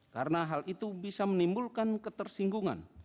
karena hal itu bisa menimbulkan ketersinggungan